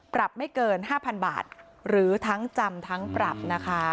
ปรับไม่เกิน๕๐๐๐บาทหรือทั้งจำทั้งปรับนะคะ